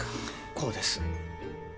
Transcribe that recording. こうです。